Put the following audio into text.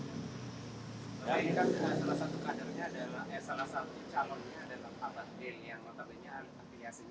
salah satu calonnya dalam abad d